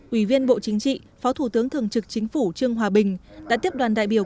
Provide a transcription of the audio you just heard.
ủy viên bộ chính trị phó thủ tướng thường trực chính phủ trương hòa bình đã tiếp đoàn đại biểu